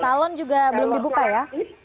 calon juga belum dibuka ya